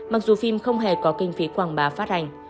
mặc dù phim không hề có kinh phí quảng bá phát hành